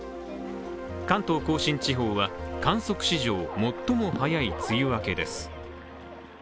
関東甲信地方は観測史上最も早い梅雨明けです。